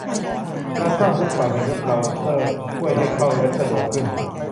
การสร้างบุ๊คมาร์คในเว็บเบราว์เซอร์ช่วยให้เข้าเว็บสะดวกขึ้น